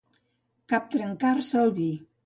Captrencar-se el vi.